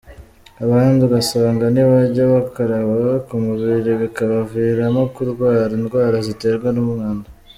Abandi ugasanga ntibajya bakaraba ku mubiri bikabaviramo kurwara indwara ziterwa n’umwanda.